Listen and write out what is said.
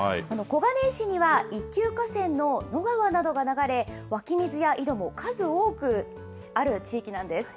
小金井市には一級河川の野川などが流れ、湧き水や井戸も数多くある地域なんです。